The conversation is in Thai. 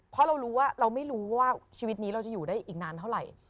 เพราะเรารู้ว่าเราไม่รู้ว่าชีวิตนี้เราจะอยู่ได้อีกนานเท่าไหร่